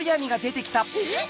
えっ！